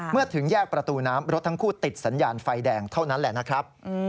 ถึงแยกประตูน้ำรถทั้งคู่ติดสัญญาณไฟแดงเท่านั้นแหละนะครับ